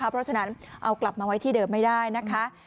เพราะฉะนั้นเอากลับมาไว้ที่เดิมไม่ได้นะคะ